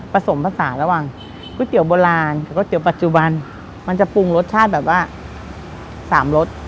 สมภาษาระหว่างก๋วยเตี๋ยวโบราณกับก๋วปัจจุบันมันจะปรุงรสชาติแบบว่าสามรส